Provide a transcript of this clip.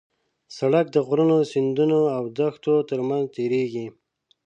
سړک د غرونو، سیندونو او دښتو ترمنځ تېرېږي.